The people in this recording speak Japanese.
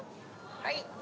はい。